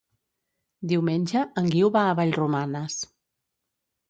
Diumenge en Guiu va a Vallromanes.